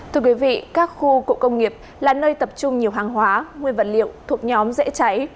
thưa quý vị các khu cụ công nghiệp là nơi tập trung nhiều hàng hóa nguyên vật liệu thuộc nhóm dễ cháy